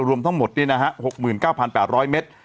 รวมทั้งหมดนี่นะฮะ๖๙๘๐๐เมตร